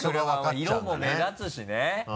色も目立つしね。